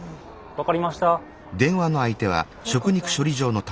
分かりました。